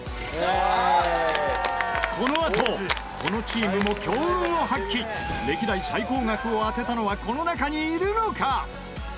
このあとこのチームも歴代最高額を当てたのはこの中にいるのか！？